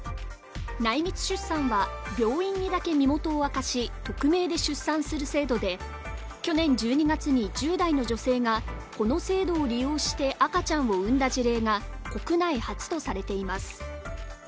内密出産は、病院にだけ身元を明かし、匿名で出産する制度で、去年１２月に１０代の女性がこの制度を利用して赤ちゃんを産んだ事例が国内初とされています。